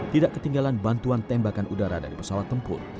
tidak ketinggalan bantuan tembakan udara dari pesawat tempur